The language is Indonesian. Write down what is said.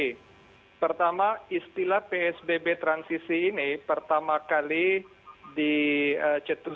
oke pertama istilah psbb transisi ini pertama kali dicetuskan